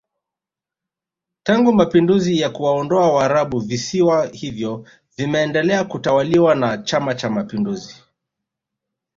Tangu Mapinduzi ya kuwaondoa waarabu visiwa hivyo vimeendelea kutawaliwa na chama cha mapinduzi